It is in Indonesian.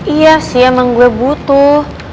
iya sih emang gue butuh